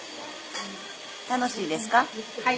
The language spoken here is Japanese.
「楽しいですか？」「はい。